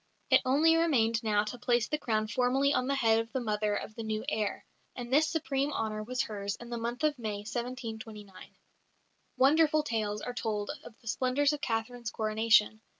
It only remained now to place the crown formally on the head of the mother of the new heir, and this supreme honour was hers in the month of May, 1729. Wonderful tales are told of the splendours of Catherine's coronation.